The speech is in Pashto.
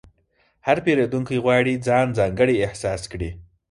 هر پیرودونکی غواړي ځان ځانګړی احساس کړي.